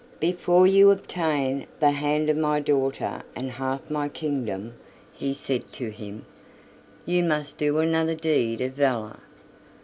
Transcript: "Before you obtain the hand of my daughter and half my kingdom," he said to him, "you must do another deed of valor.